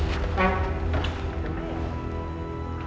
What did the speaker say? apa yang ada